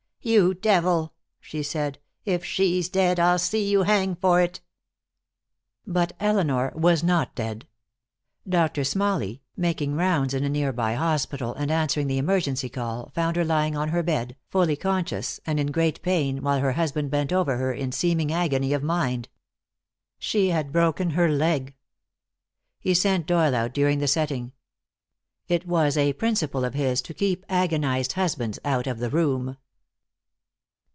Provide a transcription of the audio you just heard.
"You devil!" she said. "If she's dead, I'll see you hang for it." But Elinor was not dead. Doctor Smalley, making rounds in a nearby hospital and answering the emergency call, found her lying on her bed, fully conscious and in great pain, while her husband bent over her in seeming agony of mind. She had broken her leg. He sent Doyle out during the setting. It was a principle of his to keep agonized husbands out of the room.